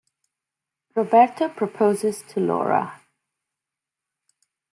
Roberto proposes to Laura.